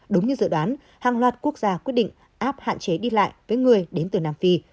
đúng như dự đoán hàng loạt quốc gia quyết định áp hạn chế đi lại với người đến từ nam phi